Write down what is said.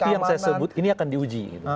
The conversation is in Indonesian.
itu yang saya sebut ini akan diuji